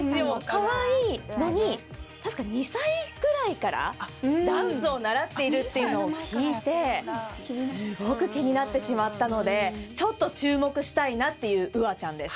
かわいいのに確か２歳ぐらいからダンスを習っているっていうのを聞いてすごく気になってしまったのでちょっと注目したいなっていうウアちゃんです。